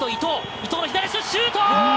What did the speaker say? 伊藤の左足のシュート！